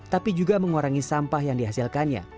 tapi juga mengurangi sampah yang dihasilkannya